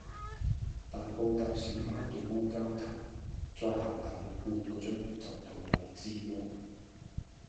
大埔搭小巴到烏蛟騰，再行大約個半鐘就到荔枝窩